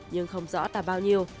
nhưng không rõ tà bao nhiêu